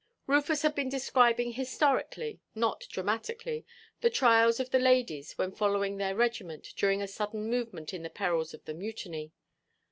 Rufus had been describing historically, not dramatically, the trials of the ladies, when following their regiment during a sudden movement in the perils of the mutiny.